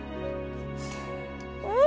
うん。